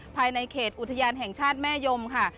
ภายในเขตอุทยานแห่งชาติแม่ยมค่ะ